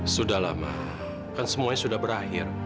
sudah lama kan semuanya sudah berakhir